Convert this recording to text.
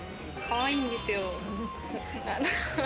かわいいんですよ。